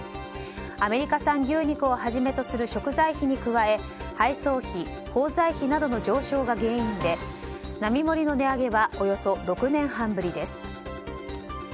アメリカ産牛肉をはじめとする食材費をはじめ配送費、包材費などの上昇が原因で並盛の値上げはおよそ６年半ぶりです。